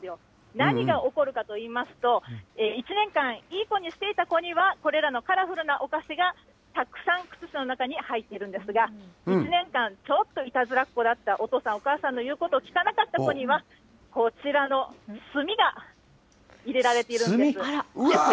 何が起こるかといいますと、１年間、いい子にしていた子には、これらのカラフルなお菓子がたくさん靴下の中に入っているんですが、１年間、ちょっといたずらっ子だったお父さん、お母さんの言うことを聞かなかった子には、こちら炭？